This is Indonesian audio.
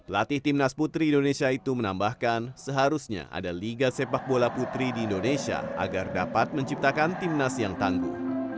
latih timnas putri indonesia itu menambahkan seharusnya ada liga sepak bola putri di indonesia agar dapat menciptakan timnas yang tangguh